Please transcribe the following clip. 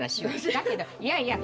だけどいやいや。